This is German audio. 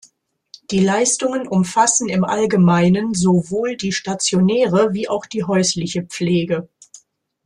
Die Leistungen umfassen im Allgemeinen sowohl die stationäre wie auch die häusliche Pflege.